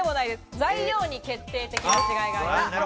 材料に決定的な違いがあります。